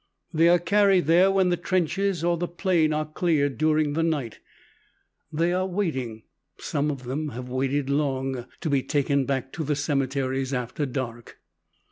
They are carried there when the trenches or the plain are cleared during the night. They are waiting some of them have waited long to be taken back to the cemeteries after dark.